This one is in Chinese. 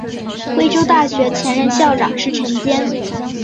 贵州大学前任校长是陈坚。